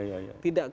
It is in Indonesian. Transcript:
tidak kita menganggap